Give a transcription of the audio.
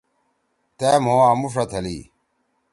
تأ مھو آمُوݜا تھلئی۔